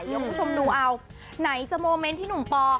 เดี๋ยวคุณผู้ชมดูเอาไหนจะโมเมนต์ที่หนุ่มปอ